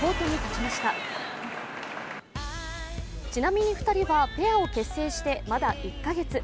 ちなみに２人は、ペアを結成してまだ１カ月。